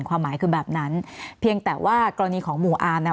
ความหมายคือแบบนั้นเพียงแต่ว่ากรณีของหมู่อาร์มน่ะ